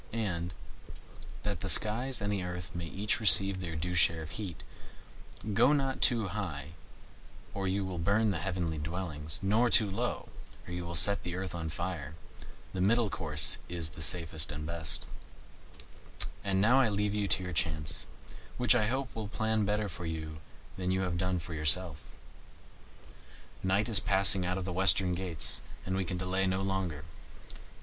And, that the skies and the earth may each receive their due share of heat, go not too high, or you will burn the heavenly dwellings, nor too low, or you will set the earth on fire; the middle course is safest and best. [Footnote: See Proverbial Expressions] And now I leave you to your chance, which I hope will plan better for you than you have done for yourself. Night is passing out of the western gates and we can delay no longer.